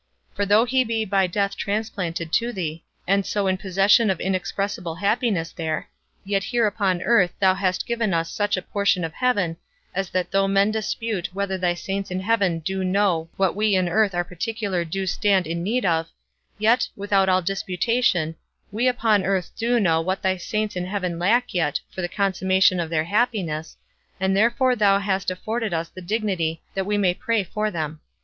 For though he be by death transplanted to thee, and so in possession of inexpressible happiness there, yet here upon earth thou hast given us such a portion of heaven, as that though men dispute whether thy saints in heaven do know what we in earth in particular do stand in need of, yet, without all disputation, we upon earth do know what thy saints in heaven lack yet for the consummation of their happiness, and therefore thou hast afforded us the dignity that we may pray for them.